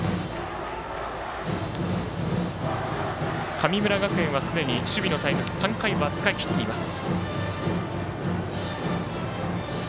神村学園は、すでに守備のタイム３回は使い切っています。